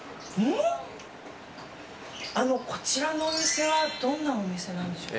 こちらのお店はどんなお店なんでしょうか。